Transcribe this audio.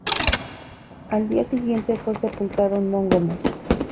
Al día siguiente fue sepultado en Mongomo.